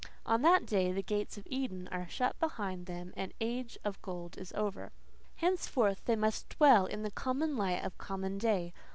On that day the gates of Eden are shut behind them and the age of gold is over. Henceforth they must dwell in the common light of common day.